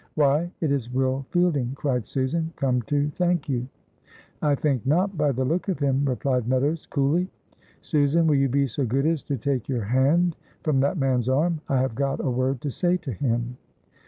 "Why, it is Will Fielding," cried Susan, "come to thank you." "I think not, by the look of him," replied Meadows, coolly. "Susan, will you be so good as to take your hand from that man's arm. I have got a word to say to him."